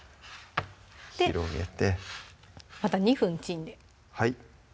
広げてまた２分チンではい